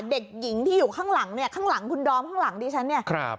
เด็กหญิงที่อยู่ข้างหลังเนี่ยข้างหลังคุณดอมข้างหลังดิฉันเนี่ยครับ